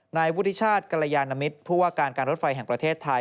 นายวุฒิชาติกรยานมิตรผู้ว่าการการรถไฟแห่งประเทศไทย